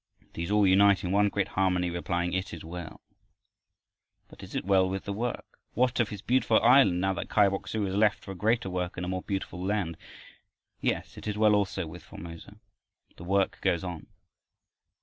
These all unite in one great harmony, replying, "It is well!" But is it well with the work? What of his Beautiful Island, now that Kai Bok su has left for a greater work in a more beautiful land? Yes, it is well also with Formosa. The work goes on.